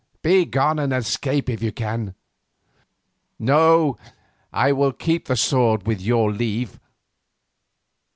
Begone and escape if you can. No, I will keep the sword with your leave."